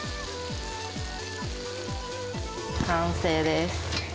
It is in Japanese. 完成です。